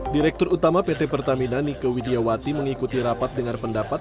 direktur utama pt pertamina nike widiawati mengikuti rapat dengar pendapat